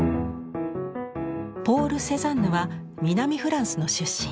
ポール・セザンヌは南フランスの出身。